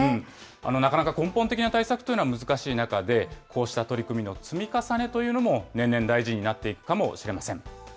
なかなか根本的な対策というのが難しい中で、こうした取り組みの積み重ねというのも年々、大事になっていくかもしれません。